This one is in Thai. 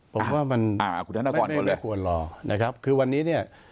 ผมว่ามันไม่ควรลอนะครับคือวันนี้เนี่ย